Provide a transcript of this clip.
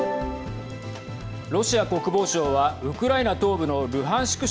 ロシア国防省はウクライナ東部のルハンシク